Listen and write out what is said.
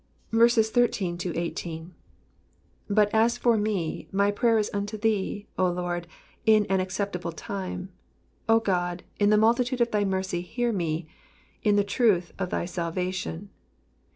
13 But as for me, my prayer is unto thee, O Lord, in arv acceptable time : O God, in the multitude of thy mercy hear me, in the truth of thy salvation.